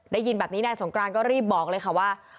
ได้ยินแบบนี้นายสงกรานก็รีบบอกเลยค่ะว่า